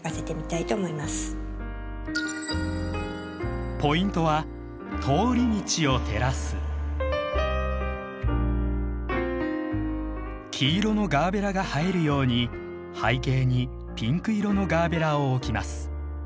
次はポイントは黄色のガーベラが映えるように背景にピンク色のガーベラを置きます。